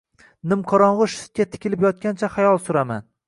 Nimqorong‘i shiftga tikilib yotgancha xayol suraman.